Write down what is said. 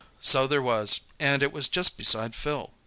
"So there was, and it was just beside Phil.